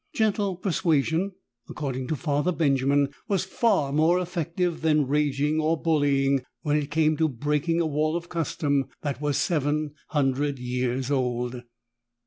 Gentle persuasion, according to Father Benjamin, was far more effective than raging or bullying when it came to breaking a wall of custom that was seven hundred years old.